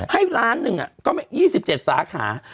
ให้ล้านหนึ่งอ่ะก็ไม่๒๗สาขา